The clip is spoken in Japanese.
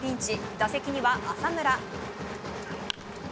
打席には浅村。